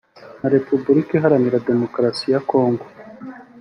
na Repubulika iharanira Demokarasi ya Congo